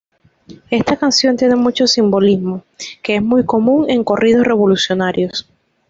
Esta canción tiene mucho simbolismo, que es muy común en corridos revolucionarios.